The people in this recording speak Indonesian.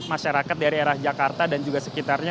masyarakat dari arah jakarta dan juga sekitarnya